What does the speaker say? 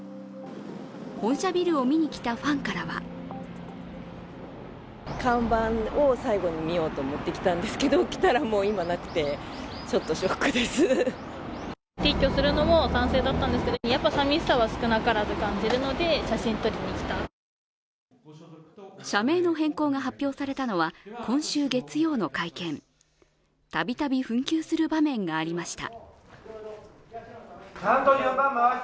本社ビルを見に来たファンからは社名の変更が発表されたのは今週月曜の会見度々紛糾する場面がありました。